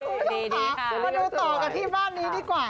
คุณผู้ชมค่ะมาดูต่อกันที่บ้านนี้ดีกว่า